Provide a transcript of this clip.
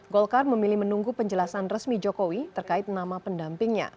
golkar memilih menunggu penjelasan resmi jokowi terkait nama pendampingnya